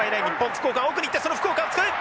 福岡が奥に行ってその福岡を使う！